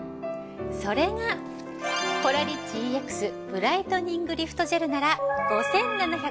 それがコラリッチＥＸブライトニングリフトジェルなら。